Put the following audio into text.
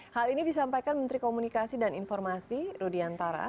hal ini disampaikan menteri komunikasi dan informasi rudi antara